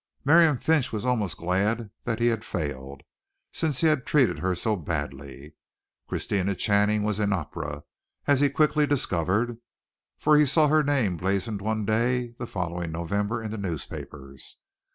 Miriam Finch was almost glad that he had failed, since he had treated her so badly. Christina Channing was in opera, as he quickly discovered, for he saw her name blazoned one day the following November in the newspapers.